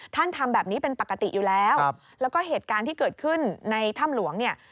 ทำแบบนี้เป็นปกติอยู่แล้วแล้วก็เหตุการณ์ที่เกิดขึ้นในถ้ำหลวงเนี่ย